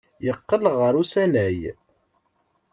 Yeqqel ɣer usanay.